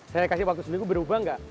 saya kasih waktu seminggu berubah gak